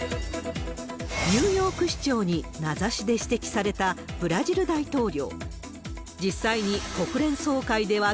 ニューヨーク市長に名指しで指摘されたブラジル大統領。